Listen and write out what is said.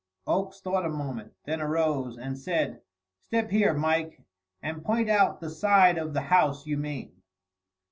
Oakes thought a moment, then arose and said: "Step here, Mike, and point out the side of the house you mean."